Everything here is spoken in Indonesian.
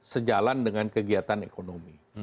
sejalan dengan kegiatan ekonomi